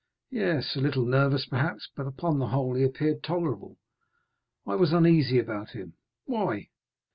"Yes; a little nervous, perhaps, but, upon the whole, he appeared tolerable. I was uneasy about him." "Why?"